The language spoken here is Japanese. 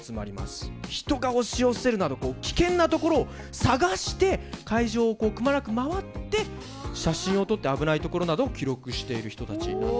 人が押し寄せるなど危険なところを探して会場をくまなく回って写真を撮って危ないところなどを記録している人たちなんですね。